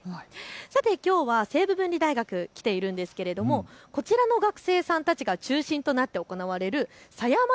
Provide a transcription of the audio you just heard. さてきょうは西武文理大学に来ているんですけれどもこちらの学生さんたちが中心となって行われるサヤマ